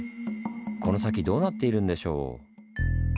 この先どうなっているんでしょう？